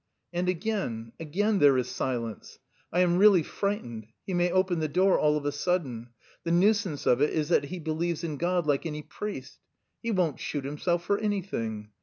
And again, again there is silence. I am really frightened: he may open the door all of a sudden.... The nuisance of it is that he believes in God like any priest.... He won't shoot himself for anything!